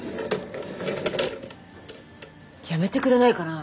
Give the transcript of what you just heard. やめてくれないかな